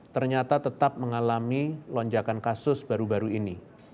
ternyata tetap mengalami lonjakan kasus baru baru ini